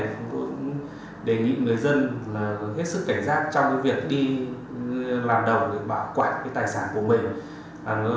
tôi cũng đề nghị người dân hết sức cảnh giác trong việc đi làm đồng bảo quản tài sản của mình